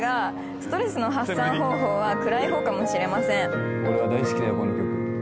「ストレスの発散方法は暗いほうかもしれません」